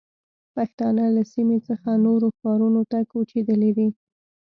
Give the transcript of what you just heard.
پښتانه له سیمې څخه نورو ښارونو ته کوچېدلي دي.